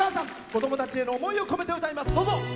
子どもたちへの思いを込めて歌います。